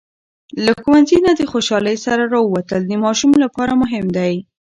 له ښوونځي نه د خوشالۍ سره راووتل د ماشوم لپاره مهم دی.